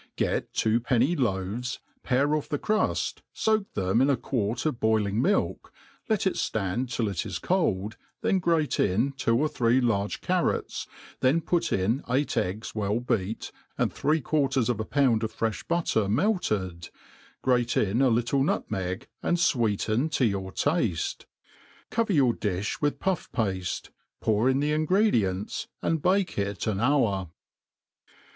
GET two penny loaves, pare off the cruft, foak them in ^ C[uarc of boiling milk, let it ftand till it is cold, tb^n grate iii two or three large carrots, then put in eight eggs well beat, and three quarters of a pound of frefii butter melted, grate ii^ a little nutmeg, and fweeten to yOur tafte. Cover your d^(h With pufF paAc, pour in the ingredients, aad bake it an hour.